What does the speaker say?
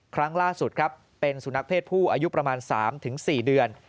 ครั้งล่าสุดครับเป็นสุนัขเพศผู้อายุประมาณ๓๔เดือน